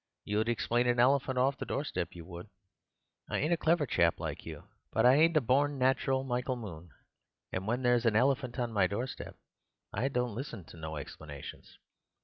"You'd explain an elephant off the doorstep, you would. I ain't a clever chap like you; but I ain't a born natural, Michael Moon, and when there's an elephant on my doorstep I don't listen to no explanations.